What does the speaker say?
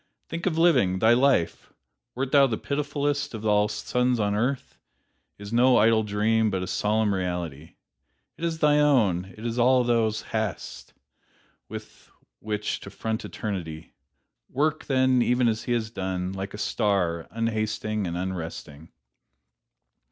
Think of living! Thy life, wert thou the pitifullest of all the sons of earth, is no idle dream, but a solemn reality. It is thine own; it is all thou hast with which to front eternity. Work, then, even as he has done like a star, unhasting and unresting."